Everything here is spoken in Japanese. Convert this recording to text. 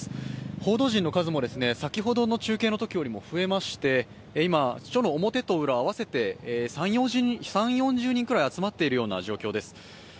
報道陣の数も先ほどの中継のときよりも増えまして今、署の表と裏、合わせて３０４０人ぐらい集まっているような状況です。